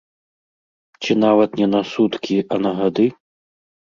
Ці нават не на суткі, а на гады?